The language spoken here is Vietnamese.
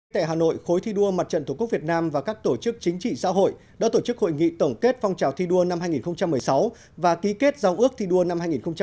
tại hà nội khối thi đua mặt trận tổ quốc việt nam và các tổ chức chính trị xã hội đã tổ chức hội nghị tổng kết phong trào thi đua năm hai nghìn một mươi sáu và ký kết giao ước thi đua năm hai nghìn một mươi tám